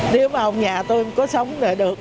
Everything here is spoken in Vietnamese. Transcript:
nếu mà ông nhà tôi có sống là được